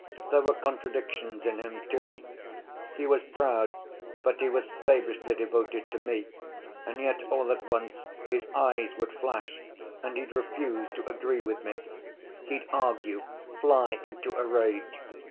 There were contradictions in him, too: he was proud, but he was slavishly devoted to me, and yet all at once his eyes would flash and he'd refuse to agree with me; he'd argue, fly into a rage.